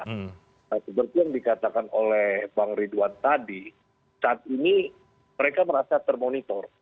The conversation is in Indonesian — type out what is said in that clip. nah seperti yang dikatakan oleh bang ridwan tadi saat ini mereka merasa termonitor